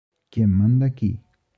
Quien manda aqui.